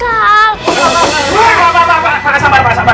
pak pak pak pak pak sabar sabar sabar